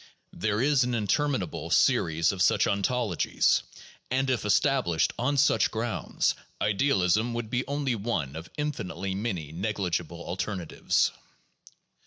There is an interminable series of such ontologies, and if established on such grounds, idealism would be only one of infinitely many negligible alternatives.